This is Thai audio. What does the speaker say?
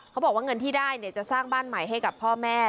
เขาบอกว่าเงินที่ได้จะสร้างบ้านใหม่ให้กับพ่อแม่